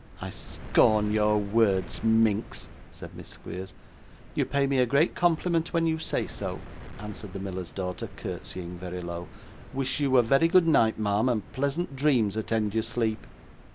'I scorn your words, Minx,' said Miss Squeers. 'You pay me a great compliment when you say so,' answered the miller's daughter, curtseying very low. 'Wish you a very good night, ma'am, and pleasant dreams attend your sleep!